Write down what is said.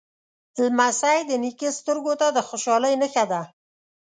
لمسی د نیکه سترګو ته د خوشحالۍ نښه ده.